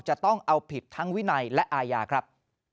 จะต้องเอาผิดทั้งวินัยและอาญาครับ